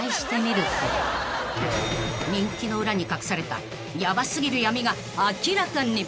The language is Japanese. ［人気の裏に隠されたヤバ過ぎるヤミが明らかに］